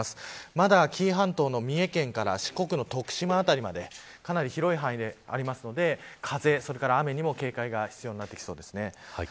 まだ紀伊半島の三重県から四国の徳島辺りまでかなり広い範囲でありますので風と雨に警戒が必要になってきそうです。